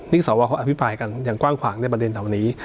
นี่สวเขาอภิปรายกันอย่างกว้างขวางในประเด็นเหล่านี้